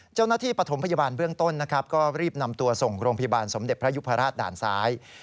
เจ้าหน้าที่ปฐมพยาบาลเบื้องต้นก็รีบนำตัวส่งโรงพยาบาลสมเด็จพระยุคภรรษด่านซ้าย